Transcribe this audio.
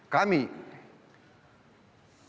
kami punya visi bahwa justru